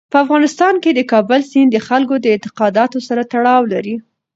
په افغانستان کې د کابل سیند د خلکو د اعتقاداتو سره تړاو لري.